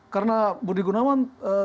karena budi gunawan